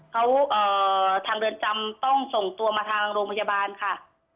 เขาทางเรือนจำต้องส่งตัวมาทางโรงพยาบาลค่ะ